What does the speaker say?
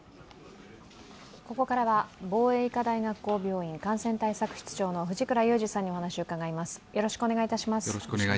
ここからは防衛医科大学校病院感染対策室長の藤倉雄二さんにお話を伺います。